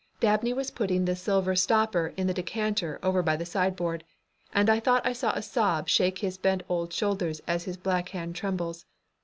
Dabney was putting the silver stopper in the decanter over by the sideboard, and I thought I saw a sob shake his bent old shoulders as his black hands trembled.